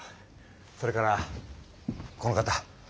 それからこの方。